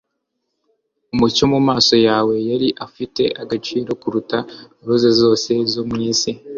umucyo mumaso yawe yari afite agaciro kuruta roza zose zo mwisi